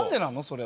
それ。